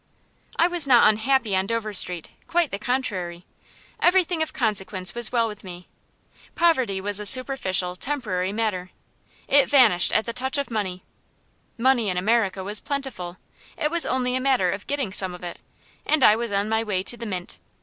I was not unhappy on Dover Street; quite the contrary. Everything of consequence was well with me. Poverty was a superficial, temporary matter; it vanished at the touch of money. Money in America was plentiful; it was only a matter of getting some of it, and I was on my way to the mint.